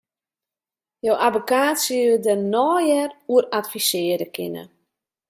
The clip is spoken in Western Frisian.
Jo abbekaat sil jo dêr neier oer advisearje kinne.